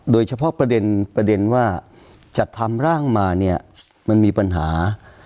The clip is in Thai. โดยเฉพาะประเด็นว่าจัดทำร่างมาเนี่ยมันมีปัญหา